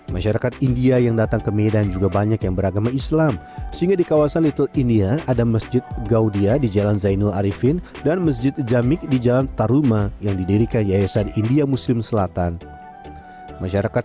masyarakat ketua kementerian kementerian kementerian kementerian